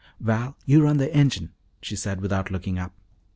"Val, you run the engine," she said without looking up.